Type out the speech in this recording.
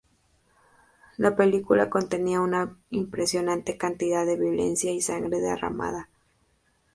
La película contenía una impresionante cantidad de violencia y sangre derramada.